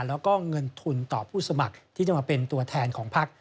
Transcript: แล้วก็เงินทุนต่อผู้สมัครที่จะมาเป็นตัวแทนของพัก